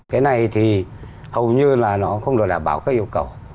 cái này thì hầu như là nó không được đảm bảo các yêu cầu